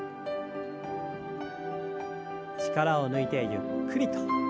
力を抜いてゆっくりと。